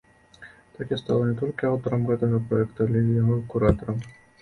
Так я стала не толькі аўтарам гэтага праекта, але і яго куратарам.